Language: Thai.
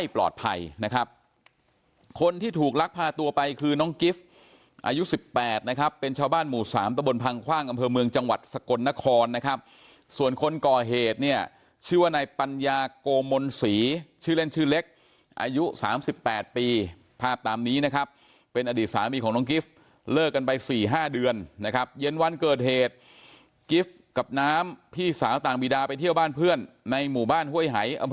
ไปคุยกับน้ำนะฮะที่เขาอยู่ในเหตุการณ์ด้วย